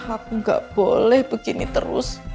aku nggak boleh begini terus